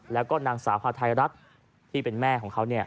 แล้วก็นางสาวพาไทยรัฐที่เป็นแม่ของเขา